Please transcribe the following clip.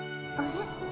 あれ？